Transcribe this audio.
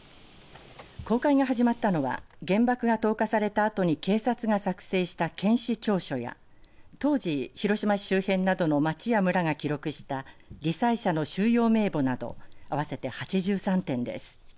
公開が始まったのは原爆が投下されたあとに警察が作成した検視調書や当時、広島市周辺などの町や村が記録したり災者の収容名簿など合わせて８３点です。